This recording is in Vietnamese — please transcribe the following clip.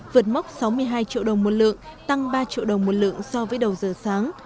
vượt mốc sáu mươi hai triệu đồng một lượng tăng ba triệu đồng một lượng so với đầu giờ sáng